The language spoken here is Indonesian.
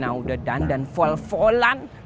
anak udah dandan vol volan